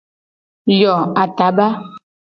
Yo ataba.